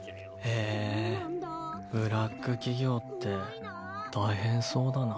へえブラック企業って大変そうだな。